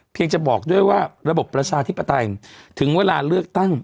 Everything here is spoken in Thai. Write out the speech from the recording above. จะบอกด้วยว่าระบบประชาธิปไตยถึงเวลาเลือกตั้ง